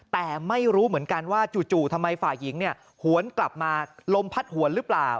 แต่ไม่รู้เหมือนกันว่าจู่ทำไมฝ่ายหญิงหวนกลับมาลมพัดหวนหรือเปล่า